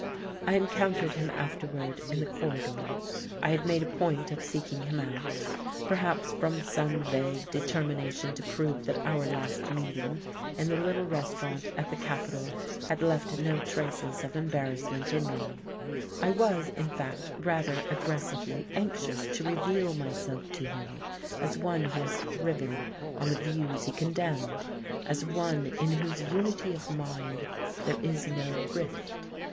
I encountered him afterward in the corridor. I had made a point of seeking him out, perhaps from some vague determination to prove that our last meeting in the little restaurant at the Capital had left no traces of embarrassment in me: I was, in fact, rather aggressively anxious to reveal myself to him as one who has thriven on the views he condemned, as one in whose unity of mind there is no rift.